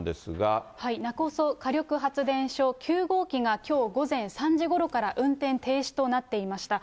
勿来火力発電所９号機が、きょう午前３時ごろから運転停止となっていました。